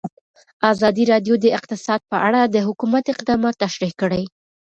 ازادي راډیو د اقتصاد په اړه د حکومت اقدامات تشریح کړي.